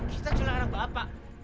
kita culik anak bapak